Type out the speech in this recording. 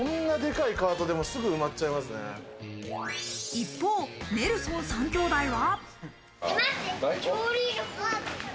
一方、ネルソン３兄弟は。